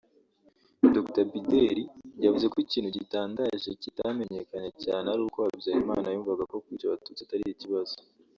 Dr Bideri yavuze ko ikintu gitandaje kitamenyekanye cyane ari uko Habyarimana yumvaga ko kwica abatutsi atari ikibazo